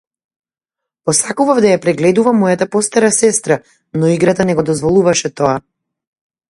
Посакував да ја прегледувам мојата постара сестра, но играта не го дозволуваше тоа.